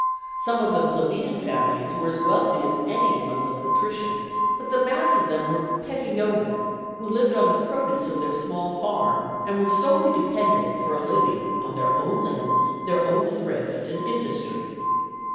Some of the plebeian families were as wealthy as any among the patricians; but the mass of them were petty yeoman, who lived on the produce of their small farm, and were solely dependent for a living on their own limbs, their own thrift and industry.